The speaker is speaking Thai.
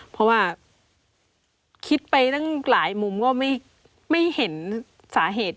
เพราะว่าคิดไปตั้งหลายมุมก็ไม่เห็นสาเหตุ